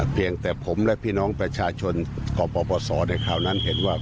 เพียงแต่ผมและพี่น้องประชาชนของปปศในคราวนั้นเห็นว่า